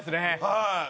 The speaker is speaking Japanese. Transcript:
はい。